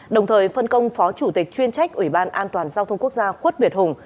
đồng thời phân công phó chủ tịch chuyên trách ủy ban an toàn giao thông quốc gia khuất việt hùng